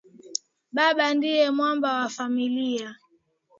Baba ndiye mwamba wa familia